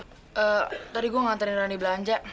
eh tadi gue nganterin rani belanja